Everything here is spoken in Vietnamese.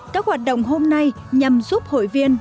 các hoạt động hôm nay nhằm giúp hội viên